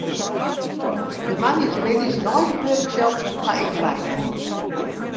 De moandeitemiddeis nei de workshop haw ik frij nommen.